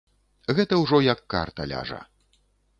Гэта ўжо як карта ляжа.